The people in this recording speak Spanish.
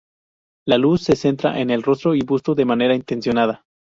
La luz se centra en el rostro y busto de manera intencionada.